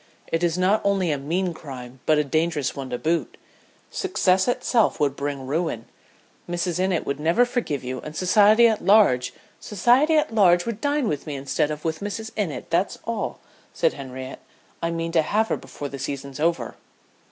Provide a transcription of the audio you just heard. "It is not only a mean crime, but a dangerous one to boot. Success would in itself bring ruin. Mrs. Innitt would never forgive you, and society at large " "Society at large would dine with me instead of with Mrs. Innitt, that's all," said Henriette. "I mean to have her before the season's over."